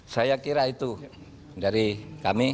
saya kira itu dari kami